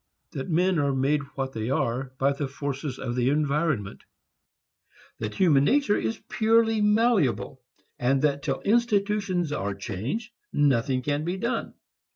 It says that men are made what they are by the forces of the environment, that human nature is purely malleable, and that till institutions are changed, nothing can be done.